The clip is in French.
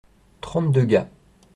Trente-deux gars.